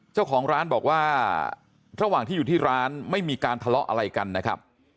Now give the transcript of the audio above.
เจ้าของร้านบอกว่าระหว่างที่อยู่ที่ร้านไม่มีการทะเลาะอะไรกันนะครับ